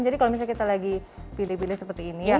jadi kalau misalnya kita lagi pilih pilih seperti ini